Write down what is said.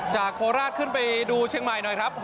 โคราชขึ้นไปดูเชียงใหม่หน่อยครับ